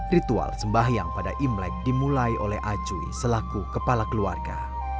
ritual sembahyang pada imlek dimulai oleh acuy selaku kepala keluarga